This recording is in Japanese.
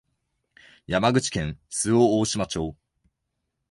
山口県周防大島町